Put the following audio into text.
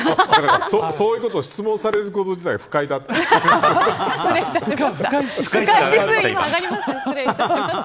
そういうことを質問されること失礼いたしました。